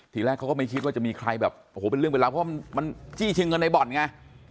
ทีแรกเขาก็ไม่คิดว่าจะมีใครแบบโอ้โหเป็นเรื่องเป็นราวเพราะมันจี้ชิงเงินในบ่อนไง